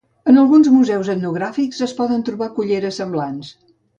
En alguns museus etnogràfics es poden trobar culleres semblants.